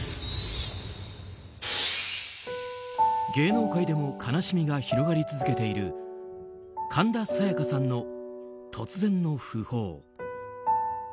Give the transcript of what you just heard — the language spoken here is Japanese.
芸能界でも悲しみが広がり続けている神田沙也加さんの突然の訃報。